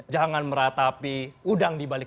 jangan meratapi udang dipakai